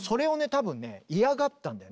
多分ね嫌がったんだよね。